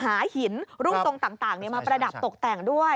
หาหินรูปทรงต่างมาประดับตกแต่งด้วย